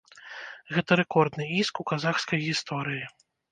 Гэта рэкордны іск у казахскай гісторыі.